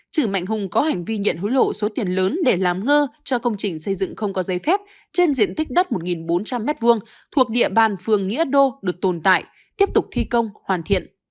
trừ mạnh hùng có hành vi nhận hối lộ số tiền lớn để làm ngơ cho công trình xây dựng không có giấy phép trên diện tích đất một bốn trăm linh m hai thuộc địa bàn phường nghĩa đô được tồn tại tiếp tục thi công hoàn thiện